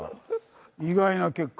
意外な結果。